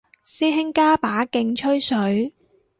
師兄加把勁吹水